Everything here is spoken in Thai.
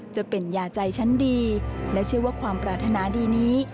จะเป็นยาใจชั้นดีและเชื่อว่าความปรารถนาดีนี้